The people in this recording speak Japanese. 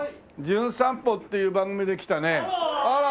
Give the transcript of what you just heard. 『じゅん散歩』っていう番組で来たね。